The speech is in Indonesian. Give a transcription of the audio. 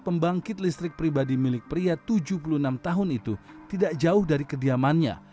pembangkit listrik pribadi milik pria tujuh puluh enam tahun itu tidak jauh dari kediamannya